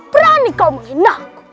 perani kau menghina aku